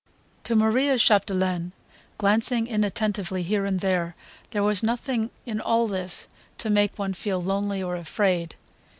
To Maria Chapdelaine, glancing inattentively here and there, there was nothing in all this to make one feel lonely or afraid.